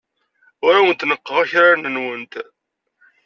Ur awent-neɣɣeɣ akraren-nwent.